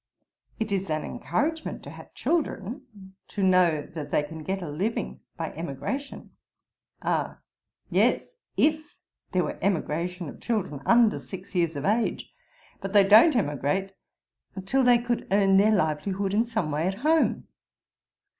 It is an encouragement to have children, to know that they can get a living by emigration.' R. 'Yes, if there were an emigration of children under six years of age. But they don't emigrate till they could earn their livelihood in some way at home.'